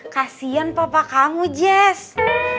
kasian papa kamu jess